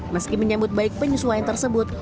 meski menyambut baik penyesuaian tersebut